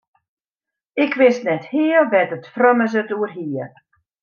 Ik wist net heal wêr't it frommes it oer hie.